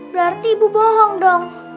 berarti ibu bohong dong